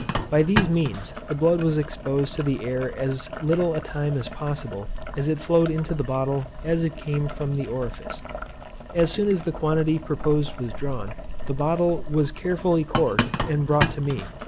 By these means the blood was exposed to the air as little a time as possible, as it flowed into the bottle as it came from the orifice. As soon as the quantity proposed was drawn, the bottle was carefully corked, and brought to me.